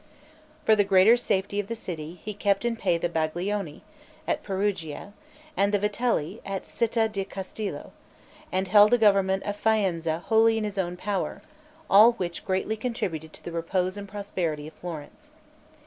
For the greater safety of the city, he kept in pay the Baglioni, at Perugia, and the Vitelli, at Citta di Castello, and held the government of Faenza wholly in his own power; all which greatly contributed to the repose and prosperity of Florence.